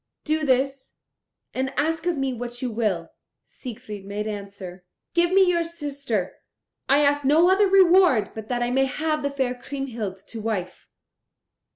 Do this, and ask of me what you will." Siegfried made answer, "Give me your sister: I ask no other reward but that I may have the fair Kriemhild to wife."